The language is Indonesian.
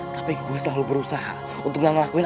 tapi gue selalu berusaha untuk gak ngelakuin